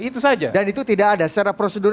itu saja dan itu tidak ada secara prosedur